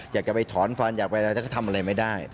อยากจะไปถอนฟันอยากไปทำอะไรไม่ได้